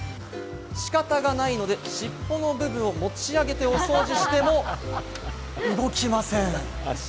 仕方がないので、尻尾の部分を持ち上げてお掃除しても動きません。